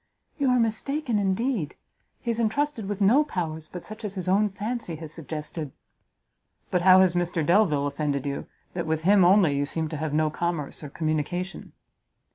"You are mistaken indeed; he is entrusted with no powers but such as his own fancy has suggested." "But how has Mr Delvile offended you, that with him only you seem to have no commerce or communication?"